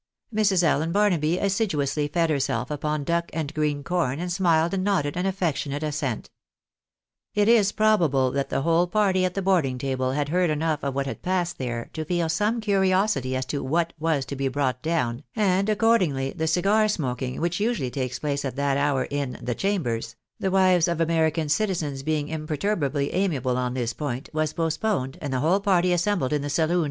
Mrs. Allen Barnaby assiduously fed herself upon duck and green corn, and smiled and nodded an affectionate assent. It is probable that the whole party at the boarding table had heard enough of what had passed there, to feel some curiosity as to what was to be " brought down," and accordingly the cigar smoking, which usually takes place at that hour in " the chambers" — the wives of American citizens being imperturbably amiable on this point — was postponed, and the whole party assembled in the saloon.